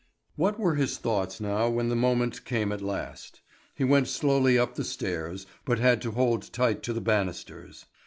What were his thoughts now when the moment came at last? He went slowly up the stairs, but had to hold tight to the banisters.